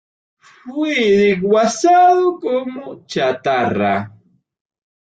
Fue desguazado como chatarra.